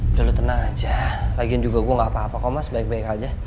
udah lu tenang aja lagiin juga gue gak apa apa kok mas baik baik aja